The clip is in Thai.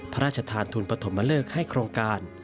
พระราชทานทุนปฐมเลิกให้โครงการ